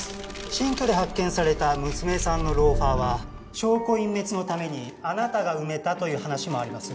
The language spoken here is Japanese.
新居で発見された娘さんのローファーは証拠隠滅のためにあなたが埋めたという話もあります。